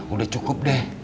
udah cukup deh